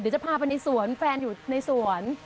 จะพาไปในสวนแฟนอยู่ในสวน